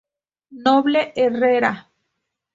Noble Herrera